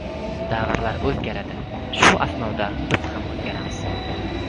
Davrlar o‘zgaradi, shu asnoda biz ham o‘zgaramiz.